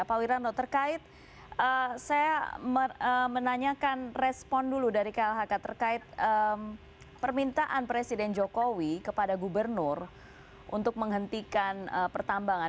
pak wiranto terkait saya menanyakan respon dulu dari klhk terkait permintaan presiden jokowi kepada gubernur untuk menghentikan pertambangan